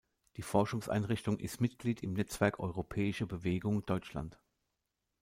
Die Forschungseinrichtung ist Mitglied im Netzwerk Europäische Bewegung Deutschland.